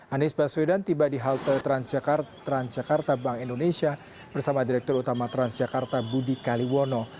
anies baswedan tiba di halte transjakarta bank indonesia bersama direktur utama transjakarta budi kaliwono